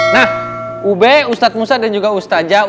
nah ube ustadz musa dan juga ustadz jasafa